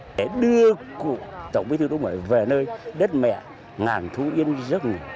để đưa cụ tổng bí thư đỗ mười về nơi đất mẹ ngàn thú yên giấc ngủ